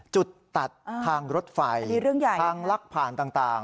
จุดตัดทางรถไฟทางลักผ่านต่าง